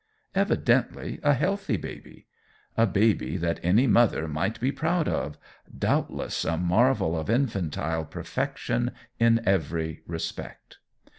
Evidently a healthy baby a baby that any mother might be proud of doubtless a marvel of infantile perfection in every respect.